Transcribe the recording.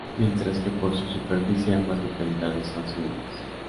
Mientras que por superficie ambas localidades son similares.